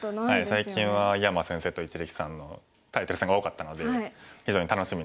最近は井山先生と一力さんのタイトル戦が多かったので非常に楽しみな。